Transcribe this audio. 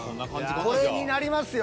これになりますよ？